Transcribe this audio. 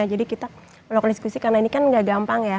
jadi kita melakukan diskusi karena ini kan gak gampang ya